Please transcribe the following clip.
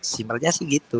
simpelnya sih gitu